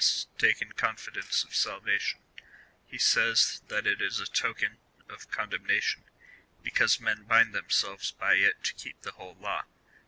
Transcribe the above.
taken confidence of salvation, he says, that it is a token of condemnation, because men bind themselves by it to keep the whole law.